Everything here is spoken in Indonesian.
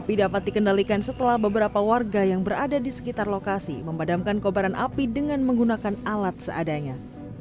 api dapat dikendalikan setelah beberapa warga yang berada di sekitar lokasi memadamkan kobaran api dengan menggunakan alat seadanya